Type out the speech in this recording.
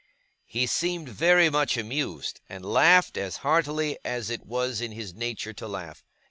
He seemed very much amused, and laughed as heartily as it was in his nature to laugh.